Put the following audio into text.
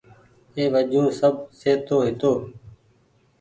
اي وجون سب سهيتو هيتو۔